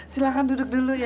silahkan duduk dulu ya